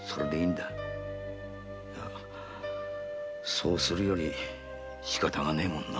そうするよりしかたねぇもんな。